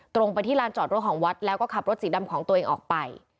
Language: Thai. ตรงไปที่ลานจอดรถของวัดแล้วก็ขับรถสีดำของตัวเองออกไป